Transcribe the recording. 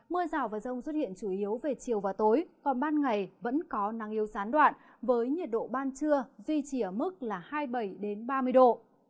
mưa rào và rông xuất hiện chủ yếu về chiều và tối còn ban ngày vẫn có nắng yếu gián đoạn với nhiệt độ ban trưa duy trì ở mức là hai mươi bảy ba mươi độ